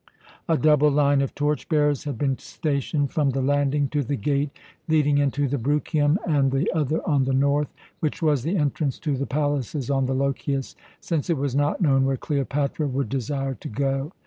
A double line of torch bearers had been stationed from the landing to the gate leading into the Bruchium, and the other on the north, which was the entrance to the palaces on the Lochias, since it was not known where Cleopatra would desire to go.